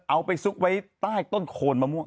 เอาไปซุกไว้ใต้ต้นโคนมะม่วง